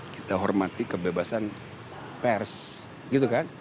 kita hormati kebebasan pers gitu kan